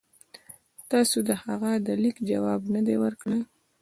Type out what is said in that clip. تاسي د هغه د لیک جواب نه دی ورکړی.